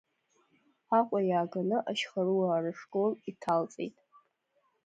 Аҟәа иааганы Ашьхаруаа рышкол иҭалҵеит.